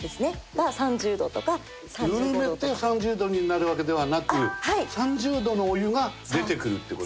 ぬるめて３０度になるわけではなく３０度のお湯が出てくるって事？